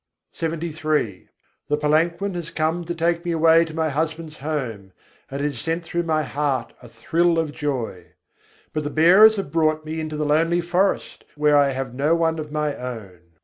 LXXIII III. 26. âyau din gaune kâ ho The palanquin came to take me away to my husband's home, and it sent through my heart a thrill of joy; But the bearers have brought me into the lonely forest, where I have no one of my own.